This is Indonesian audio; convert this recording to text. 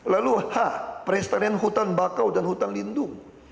lalu h perestarian hutan bakau dan hutan lindung